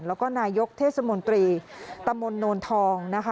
แล้วก็นายกเทศมนตรีตำบลโนนทองนะคะ